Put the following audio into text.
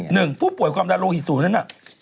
หนึ่งผู้ป่วยความดันโลหิตสูงนั้นน่ะ